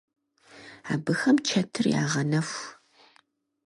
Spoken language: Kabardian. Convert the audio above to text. Абыхэм чэтыр ягъэнэху.